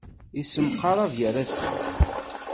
Yessemqarab gar-asen.